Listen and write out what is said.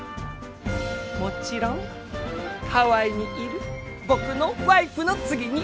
もちろんハワイにいる僕のワイフの次に！